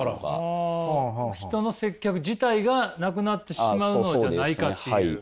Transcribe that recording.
人の接客自体がなくなってしまうのじゃないかっていう。